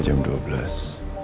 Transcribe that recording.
sekarang jam dua belas